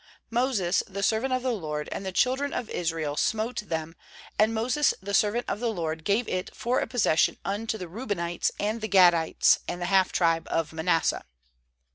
6Moses the servant of the 275 12 6 JOSHUA LORD and the children of Israel smote them; and Moses the servant of the LORD gave it for a possession unto the Reubenites, and the Gadites, and the half tribe of Manasseh.